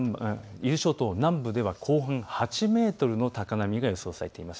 伊豆諸島南部では後半８メートルの高波が予想されています。